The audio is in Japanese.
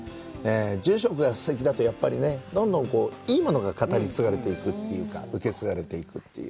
住職がすてきだと、やっぱりね、どんどんいいものが語り継がれていくというか、受け継がれていくという。